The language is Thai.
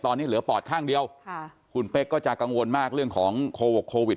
ตอนนี้เหลือปอดข้างเดียวคุณเป๊กก็จะกังวลมากเรื่องของโควิด